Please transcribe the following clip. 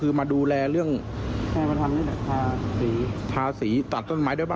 เพราะดูสีตัดส้นไม้ได้ป่ะ